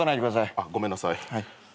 あっごめんなさい。